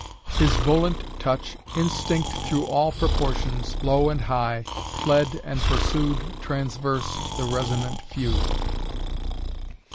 "'His volant touch, Instinct through all proportions, low and high, Fled and pursued transverse the resonant fugue.